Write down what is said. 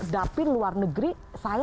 dapil luar negeri saya